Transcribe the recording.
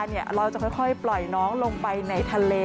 เราจะค่อยปล่อยน้องลงไปในทะเล